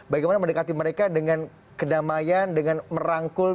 bagaimana mendekati mereka dengan kedamaian dengan merangkul